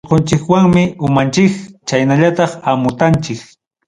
Ñutqunchikwanmi umanchanchik chaynallataq hamutanchik.